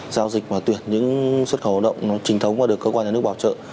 giao dịch và tuyển những xuất khẩu động trình thống qua được cơ quan nhà nước bảo trợ